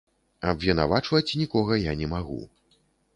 Абвінавачваць нікога я не магу.